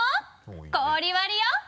「氷割りよ」